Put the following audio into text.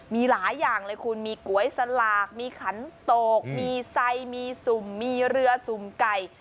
มีหลายอย่างเลยคุณมีก๋วยสลากมีขันโตกมีไซมีสุ่มมีเรือสุ่มไก่